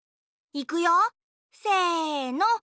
いくよせの。